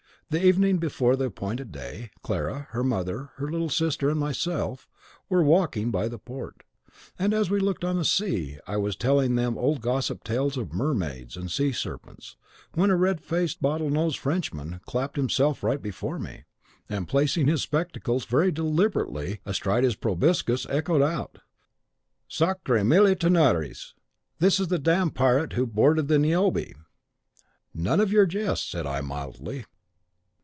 On the evening before the appointed day, Clara, her mother, her little sister, and myself, were walking by the port; and as we looked on the sea, I was telling them old gossip tales of mermaids and sea serpents, when a red faced, bottle nosed Frenchman clapped himself right before me, and, placing his spectacles very deliberately astride his proboscis, echoed out, 'Sacre, mille tonnerres! this is the damned pirate who boarded the "Niobe"!'" "'None of your jests,' said I, mildly.